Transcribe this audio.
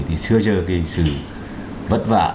thì sửa chơi sự vất vả